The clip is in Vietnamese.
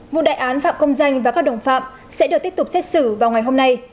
vụ đại án phạm công danh và các đồng phạm sẽ được tiếp tục xét xử vào ngày hôm nay